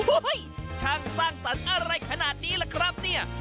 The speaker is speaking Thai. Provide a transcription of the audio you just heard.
ช่างสร้างสรรค์อะไรขนาดนี้ล่ะครับเนี่ย